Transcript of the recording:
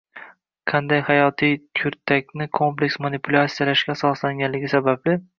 qanday hayotiy kurtakni kompleks manipulyatsiyalashga asoslanganligi sababli